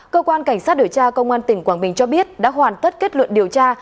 cơ quan cảnh sát điều tra công an tỉnh quảng bình cho biết đã hoàn tất kết luận điều tra